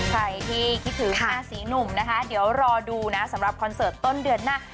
ใครที่คิดถึงราศีหนุ่มนะคะเดี๋ยวรอดูนะสำหรับคอนเสิร์ตต้นเดือนหน้า